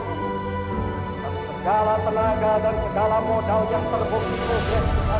segala tenaga dan segala modal yang terbukti untuk menjaga kembali